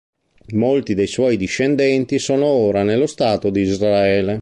Molti dei suoi discendenti sono ora nello stato di Israele.